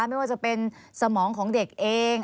ไม่ว่าจะเป็นสมองของเด็กเอง